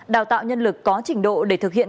đào tạo nhân lực có trình độ để thực hiện